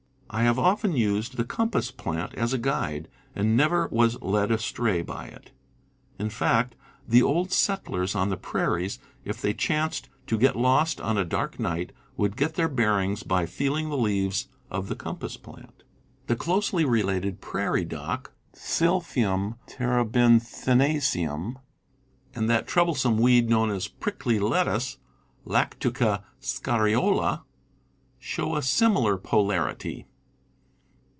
I have often used the compass plant as a guide, and never was led astray by it; in fact, the old settlers on the prairies, if they chanced to get lost on a dark night, would get their bearings by feeling the leaves of the compass plant. 206 CAMPING AND WOODCRAFT The closely related prairie dock (Silphium terebin thinaceum) and that troublesome weed known as prickly lettuce {Laduca scariola), show a similar polarity.